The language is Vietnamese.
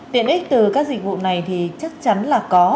tiện ích từ các dịch vụ này thì chắc chắn là có